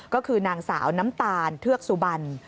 ก็คือนางสาวน้ำตาลเทือกสุบัน